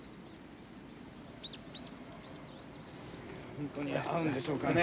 本当に合うんでしょうかね。